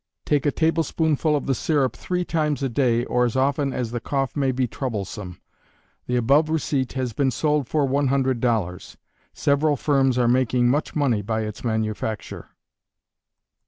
Take a tablespoonful of the syrup three times a day, or as often as the cough may be troublesome. The above receipt has been sold for $100. Several firms are making much money by its manufacture.